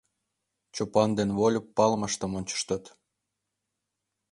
Чопан ден Выльып палымыштым ончыштыт.